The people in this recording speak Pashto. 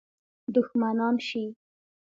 دښمنان شي.